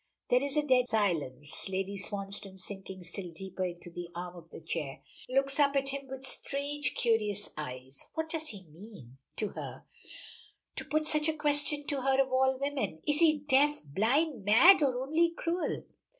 There is a dead silence. Lady Swansdown sinking still deeper into the arm of the chair, looks up at him with strange curious eyes. What does he mean? To her to put such a question to her of all women! Is he deaf, blind, mad or only cruel?